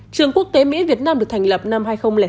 trường quốc tế mỹ việt nam được thành lập năm hai nghìn năm